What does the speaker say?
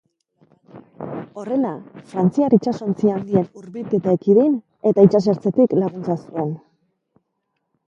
Horrela, frantziar itsasontzi handien hurbilketa ekidin eta itsasertzetik laguntza zuen.